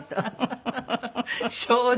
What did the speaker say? ハハハハ。